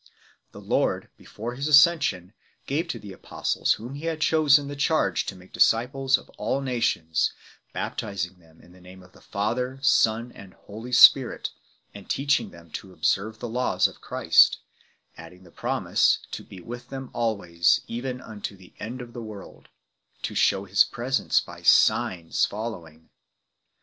The Lord, before His Ascension, gave to the Apostles whom He had chosen the charge to make disciples of all nations, baptizing them in the name of Father, Son and Holy Spirit, and teaching them to observe the laws of Christ ; adding the promise, to be with them always, even unto the end of the world 8 , to shew His presence by "signs following."